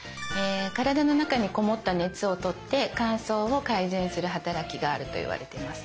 体の中にこもった熱を取って乾燥を改善する働きがあるといわれています。